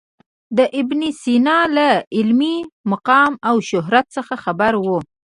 د ابن سینا له علمي مقام او شهرت څخه خبر و.